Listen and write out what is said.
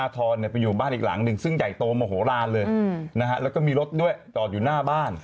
อัมไมไดบ๊งค์เอมมี่ไปช่วยลงท่ายก็รู้สักกัน